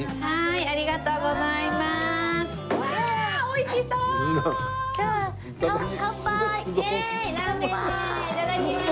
いただきます。